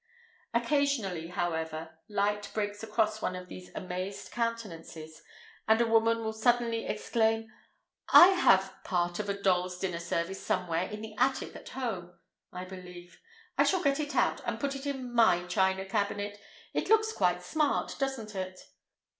Occasionally, however, light breaks across one of these amazed countenances, and a woman will suddenly exclaim: "I have part of a dolls' dinner service somewhere in the attic at home, I believe. I shall get it out, and put it in my china cabinet. It looks quite smart, doesn't it?"